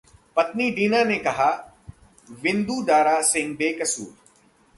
पत्नी डीना ने कहा, 'विंदू दारा सिंह बेकसूर'